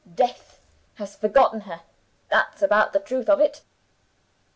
Death has forgotten her, that's about the truth of it.